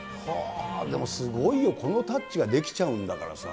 でもすごいよ、このタッチができちゃうんだからさ。